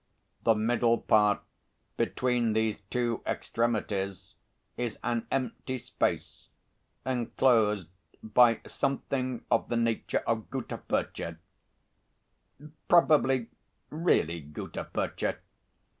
The middle part between these two extremities is an empty space enclosed by something of the nature of gutta percha, probably really gutta percha."